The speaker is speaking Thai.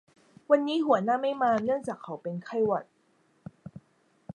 วันนี้หัวหน้าไม่มาเนื่องจากเขาเป็นไข้หวัด